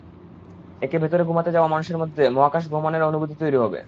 এতে ভেতরে ঘুমাতে যাওয়া মানুষের মধ্যে মহাকাশ ভ্রমণের অনুভূতি তৈরি হবে।